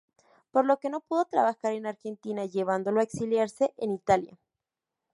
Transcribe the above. Por lo que no pudo trabajar en Argentina llevándolo a exiliarse en Italia.